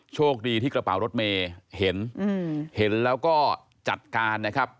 โชคดีที่กระเป๋ารถเมย์เห็นเห็นแล้วก็จัดการนะครับ